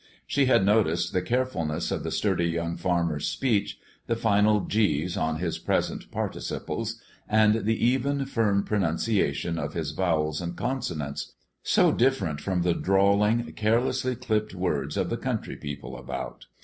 She had noticed the carefulness of the sturdy young farmer's speech, the final g's on his present participles, and the even, firm pronunciation of his vowels and consonants, so different from the drawling, carelessly clipped words of the country people about.